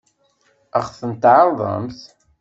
Ad ɣ-t-tɛeṛḍemt?